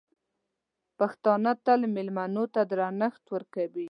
پښتانه تل مېلمنو ته درنښت ورکوي.